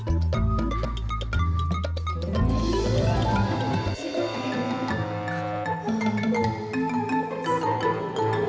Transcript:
rambut lu bagus banget lah